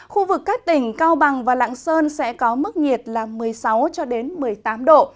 khu vực các tỉnh cao bằng và lạng sơn sẽ có mức nhiệt là một mươi sáu một mươi tám độ